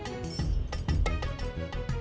jaga diri kalian masing masing